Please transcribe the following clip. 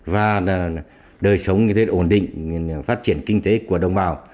và đời sống ổn định phát triển kinh tế của đồng bào